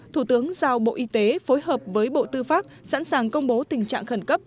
thủ tướng giao bộ y tế phối hợp với bộ tư pháp sẵn sàng công bố tình trạng khẩn cấp